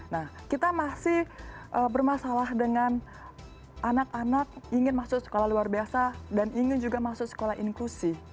nah kita masih bermasalah dengan anak anak ingin masuk sekolah luar biasa dan ingin juga masuk sekolah inklusi